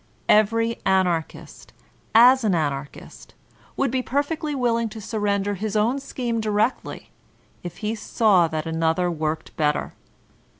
Every Anarchist, as an Anarchist, would be perfectly willing to surrender his own scheme directly, if he saw that an other worked better.